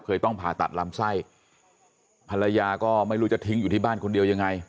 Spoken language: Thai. ต้องผ่าตัดลำไส้ภรรยาก็ไม่รู้จะทิ้งอยู่ที่บ้านคนเดียวยังไง